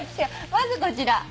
まずこちら。